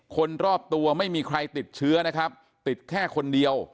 คนรอบตัวไม่มีใครติดเชื้อนะครับติดแค่คนเดียว